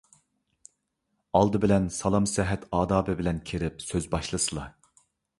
ئالدى بىلەن سالام - سەھەت ئادابى بىلەن كىرىپ سۆز باشلىسىلا.